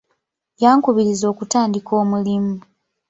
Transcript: Yankubiriza okutandika omulimu.